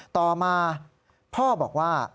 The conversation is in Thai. ต่อมาพ่อบอกว่า